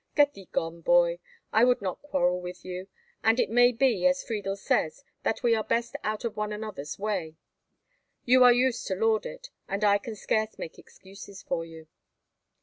"Get thee gone, boy, I would not quarrel with you; and it may be, as Friedel says, that we are best out of one another's way. You are used to lord it, and I can scarce make excuses for you."